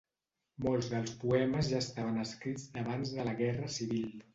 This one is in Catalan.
Molts dels poemes ja estaven escrits d'abans de la guerra civil.